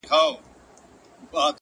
څلورم وازه خوله حیران وو هیڅ یې نه ویله،